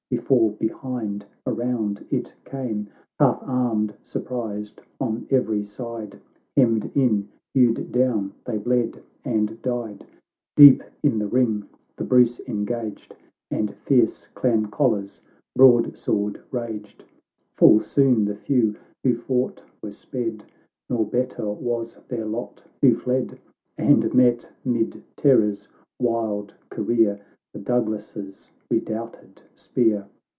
Before, behind, around it came ! Half armed, surprised, on every side Hemmed in, howed down, they bled and died. Deep in the ring the Bruce engaged, And fierce Clau Colla's broadsword raged ! CAXTO V.] THE LOED OF THE ISLES. G39 Full soon the few who fought were sped, Nor better was their lot who fled, And met, 'mid terror's wild career, The Douglas's redoubted spear